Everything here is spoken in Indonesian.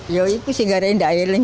ya itu sudah tidak diilang